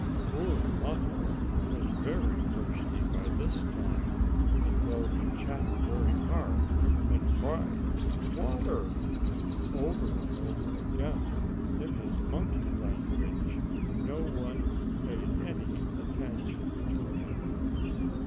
Poor Mappo was very thirsty by this time, but though he chattered very hard, and cried "Water!" over and over again, in his monkey language, no one paid any attention to him.